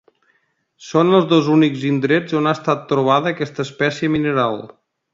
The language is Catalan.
Són els dos únics indrets on ha estat trobada aquesta espècie mineral.